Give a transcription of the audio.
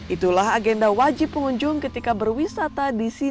itulah agenda wajib pengunjung ketika berwisata